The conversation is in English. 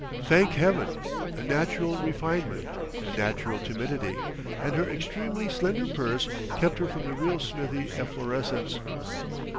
Thank Heaven! a natural refinement, a natural timidity, and her extremely slender purse kept her from the real Smithie efflorescence!